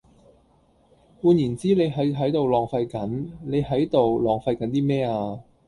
換言之你係喺度浪費緊，你喺度浪費緊咩啊?